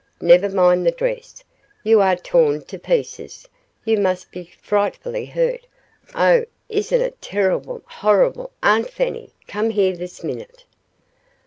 Never mind the dress! You are torn to pieces! You must be frightfully hurt. Oh, isn't it terrible horrible! Aunt Fanny! Come here this minute!"